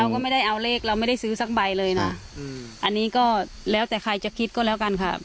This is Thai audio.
ก็ไม่ได้เอาเลขเราไม่ได้ซื้อสักใบเลยนะอันนี้ก็แล้วแต่ใครจะคิดก็แล้วกันค่ะ